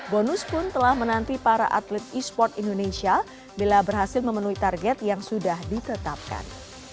bonus pun telah menanti para atlet e sports indonesia bila berhasil memenuhi target yang sudah ditetapkan